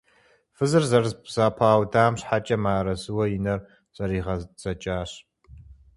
Фызыр зэрызэпаудам щхьэкӀэ мыарэзыуэ и нэр зэригъэдзэкӀащ.